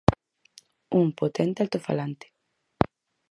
Un potente altofalante.